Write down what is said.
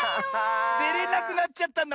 でれなくなっちゃったの？